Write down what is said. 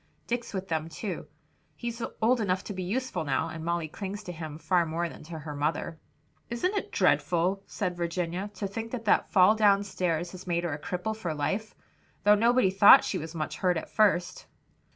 "Dick's with them too. He's old enough to be useful now, and Molly clings to him far more than to her mother." "Isn't it dreadful," said Virginia, "to think that that fall down stairs has made her a cripple for life? though nobody thought she was much hurt at first."